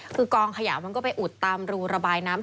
คือกองขยะมันก็ไปอุดตามรูระบายน้ำ